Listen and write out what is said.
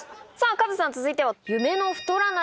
カズさん続いては。